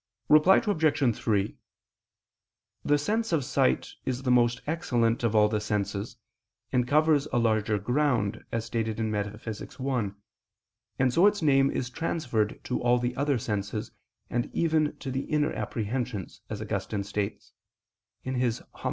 Reply Obj. 3: The sense of sight is the most excellent of all the senses, and covers a larger ground, as stated in Metaph. i: and so its name is transferred to all the other senses, and even to the inner apprehensions, as Augustine states (De Verb. Dom.